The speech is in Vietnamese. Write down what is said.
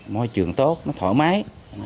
môi trường tốt nó thoải mái